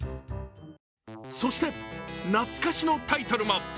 そして、懐かしのタイトルも。